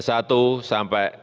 saya juga ingin mencoba untuk mencoba